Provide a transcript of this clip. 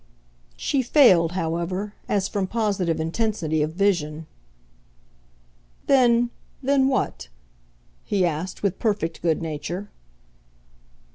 She failed, however, as from positive intensity of vision. "Then, then what?" he asked with perfect good nature.